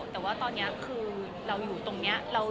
แต่ว่าตอนนี้คือเราอยู่ตรงนี้